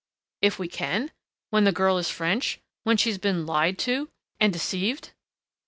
"If we can? When the girl is French? When she's been lied to and deceived?"